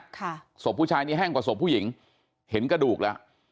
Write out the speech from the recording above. ศพผู้ชายนี้แห้งกว่าศพผู้หญิงเห็นกระดูกแล้ว